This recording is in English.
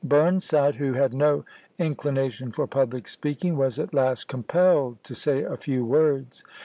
Burnside, who had no inclination for public speaking, was at last compelled to say a few words.